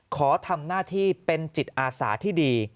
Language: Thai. ขอทำหน้าที่เป็นจิตอาสาที่ดี